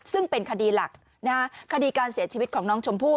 ซึ่งเป็นคดีหลักคดีการเสียชีวิตของน้องชมพู่